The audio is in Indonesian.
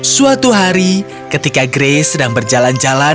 suatu hari ketika grace sedang berjalan jalan